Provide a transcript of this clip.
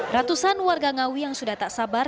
ratusan warga ngawi yang sudah tak sabar